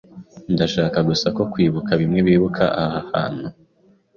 Ndashaka gusa ko kwibuka bimwe bibuka aha hantu.